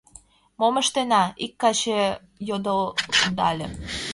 — Мом ыштена? — ик каче йодылдале.